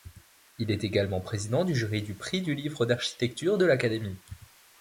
Il est également Président du jury du prix du Livre d'architecture de l'Académie.